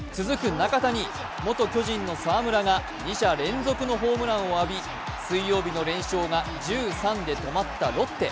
中田に、元巨人の澤村が２者連続のホームランを浴び水曜日の連勝が１３で止まったロッテ。